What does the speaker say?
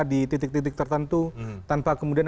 di titik titik tertentu tanpa kemudian